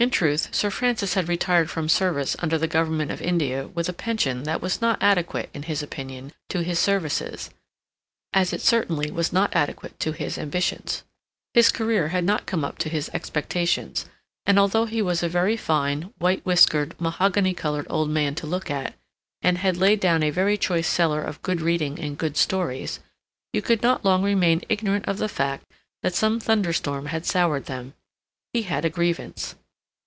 In truth, Sir Francis had retired from service under the Government of India with a pension that was not adequate, in his opinion, to his services, as it certainly was not adequate to his ambitions. His career had not come up to his expectations, and although he was a very fine, white whiskered, mahogany colored old man to look at, and had laid down a very choice cellar of good reading and good stories, you could not long remain ignorant of the fact that some thunder storm had soured them; he had a grievance.